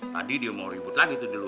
tadi dia mau ribut lagi tuh di luar